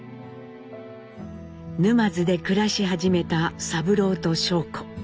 沼津で暮らし始めた三郎と尚子。